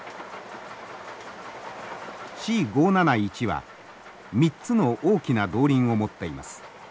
Ｃ５７１は３つの大きな動輪を持っています。